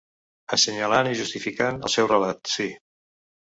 Assenyalant i justificant el seu relat, sí.